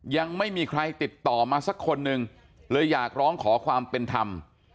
ยังไม่มีใครติดต่อมาสักคนหนึ่งเลยอยากร้องขอความเป็นธรรม